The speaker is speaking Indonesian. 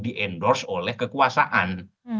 di endorse oleh kekuasaan